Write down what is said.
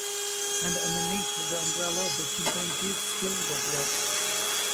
And underneath the umbrella the chimpanzees still get wet.